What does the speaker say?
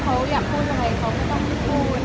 เค้าอยากพูดยังไงเค้าไม่ต้องพูด